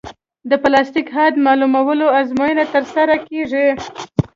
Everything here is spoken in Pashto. د پلاستیک حد معلومولو ازموینه ترسره کیږي